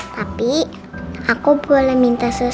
tapi aku boleh minta sesuatu